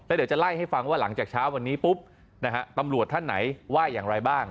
เดี๋ยวจะไล่ให้ฟังว่าหลังจากเช้าวันนี้ปุ๊บนะฮะตำรวจท่านไหนว่าอย่างไรบ้าง